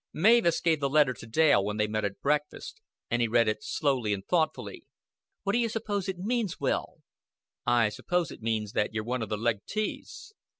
Mavis gave the letter to Dale when they met at breakfast, and he read it slowly and thoughtfully. "What do you suppose it means, Will?" "I suppose it means that you're one of the leg'tees."